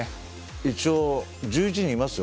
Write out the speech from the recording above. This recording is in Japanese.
一応、１１人いますよ